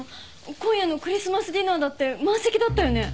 今夜のクリスマスディナーだって満席だったよね？